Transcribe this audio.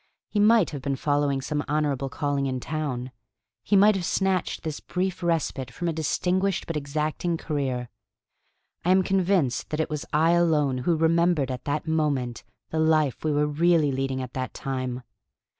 He might have been following some honorable calling in town; he might have snatched this brief respite from a distinguished but exacting career. I am convinced that it was I alone who remembered at that moment the life we were really leading at that time.